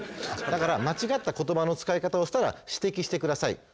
だから間違った言葉の使い方をしたら指摘してください。